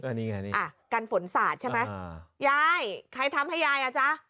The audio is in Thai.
อันนี้ไงนี่อ่ะกันฝนสาดใช่ไหมยายใครทำให้ยายอ่ะจ๊ะ